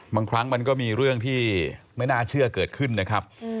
บางครั้งมันก็มีเรื่องที่ไม่น่าเชื่อเกิดขึ้นนะครับ